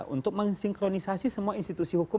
untuk mensinkronisasi semua institusi hukum